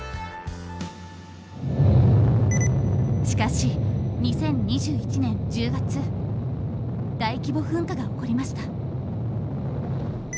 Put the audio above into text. しかし２０２１年１０月大規模噴火が起こりました。